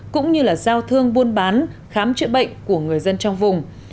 cũng như là giao thương buôn bán khám chữa bệnh của người dân trong vùng